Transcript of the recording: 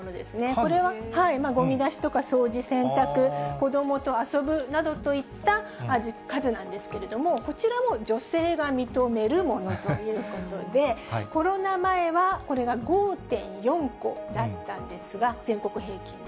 これはごみ出しとか掃除、洗濯、子どもと遊ぶなどといった数なんですけれども、こちらも女性が認めるものということで、コロナ前はこれが５．４個だったんですが、全国平均で。